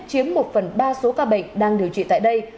chiếm một phần ba số ca bệnh đang điều trị tại đây